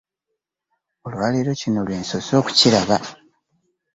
Olwaleero kino lwe nsoose okukiraba.